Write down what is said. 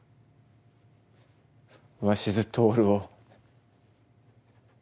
鷲津亨を。